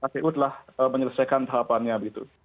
kpu telah menyelesaikan tahapannya begitu